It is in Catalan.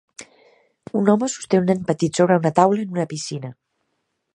un home sosté un nen petit sobre una taula en una piscina.